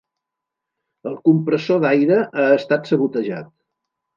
El compressor d'aire ha estat sabotejat.